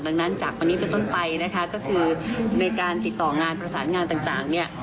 ดังนั้นจากวันนี้เป็นต้นไปนะคะก็คือในการติดต่องานประสานงานต่างเนี่ย